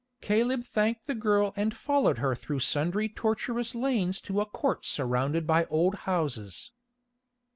Caleb thanked the girl and followed her through sundry tortuous lanes to a court surrounded by old houses.